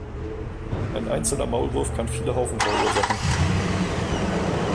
Ein einzelner Maulwurf kann viele Haufen verursachen.